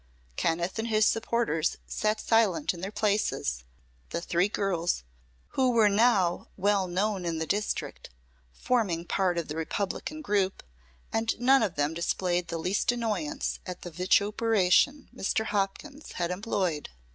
Kenneth and his supporters sat silent in their places, the three girls, who were now well known in the district, forming part of the Republican group; and none of them displayed the least annoyance at the vituperation Mr. Hopkins had employed.